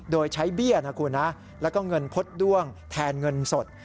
โดยใช้เบี้ยนะคุณนะแล้วก็เงินพดด้วงแทนเงินสด